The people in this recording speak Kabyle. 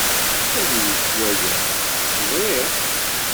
Ad yečč waya. Ẓriɣ.